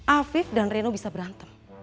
afif dan reno bisa berantem